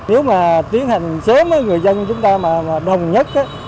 nếu mà tiến hành sớm với người dân chúng ta mà đồng nhất